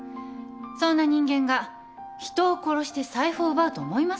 そんな人間が人を殺して財布を奪うと思いますか？